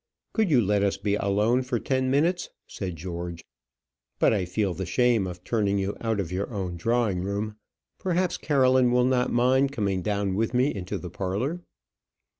"Could you let us be alone for ten minutes," said George. "But I feel the shame of turning you out of your own drawing room. Perhaps Caroline will not mind coming down with me into the parlour."